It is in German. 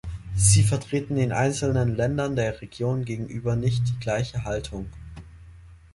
Sie vertreten den einzelnen Ländern der Region gegenüber nicht die gleiche Haltung.